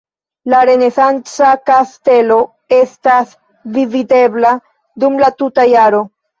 La renesanca kastelo estas vizitebla dum la tuta jaro.